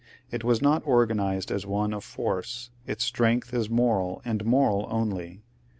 It was not organized as one of force, its strength is moral, and moral only.